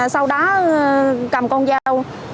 sau đó cầm con dao